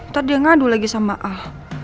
tadi dia ngadu lagi sama al